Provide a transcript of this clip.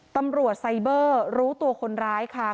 ตำรวจไซเบอร์รู้ตัวคนร้ายค่ะ